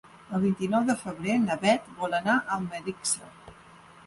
El vint-i-nou de febrer na Beth vol anar a Almedíxer.